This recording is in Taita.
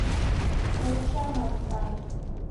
Oghosha maghu ghako